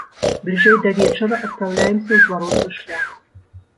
Бліжэй да вечара адпраўляемся ў зваротны шлях.